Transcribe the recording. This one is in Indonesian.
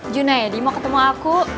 junayadi mau ketemu aku